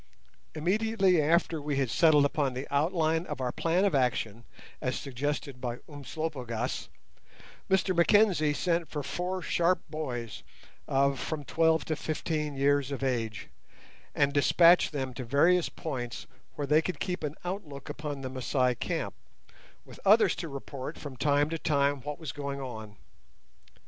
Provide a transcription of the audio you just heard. Immediately after we had settled upon the outline of our plan of action as suggested by Umslopogaas, Mr Mackenzie sent for four sharp boys of from twelve to fifteen years of age, and despatched them to various points where they could keep an outlook upon the Masai camp, with others to report from time to time what was going on.